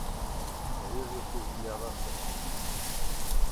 Dhe Jezusi ia dha së ëmës.